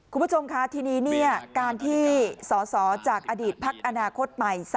คุณผู้ชมค่ะทีนี้การที่สสจากอดีตพักอนาคตใหม่